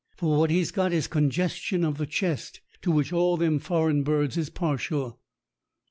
For what he's got is congestion of the chest, to which all them foreign birds is partial."